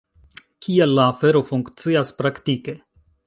Kiel la afero funkcias praktike?